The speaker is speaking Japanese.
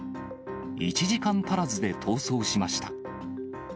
１時間足らずで逃走しました。